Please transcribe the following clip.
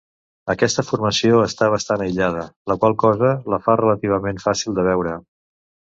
Aquesta formació està bastant aïllada, la qual cosa la fa relativament fàcil de veure.